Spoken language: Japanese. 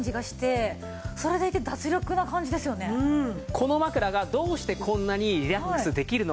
この枕がどうしてこんなにリラックスできるのか。